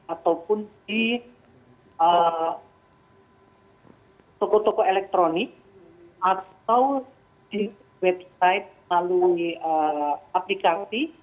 ataupun di toko toko elektronik atau di website melalui aplikasi